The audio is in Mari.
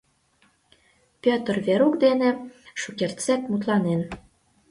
Пӧтыр Верук дене шукертсек мутланен.